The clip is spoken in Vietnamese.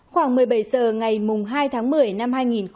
khoảng một mươi bảy h ngày hai tháng một mươi năm hai nghìn một mươi chín